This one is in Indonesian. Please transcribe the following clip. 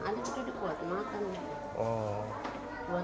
adik itu dia kuat makan